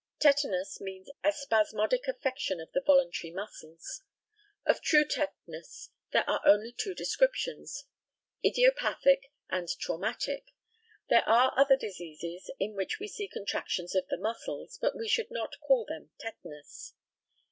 Tetanus means a spasmodic affection of the voluntary muscles. Of true tetanus there are only two descriptions idiopathic and traumatic. There are other diseases in which we see contractions of the muscles, but we should not call them tetanus.